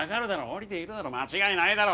降りているだろ間違いないだろ。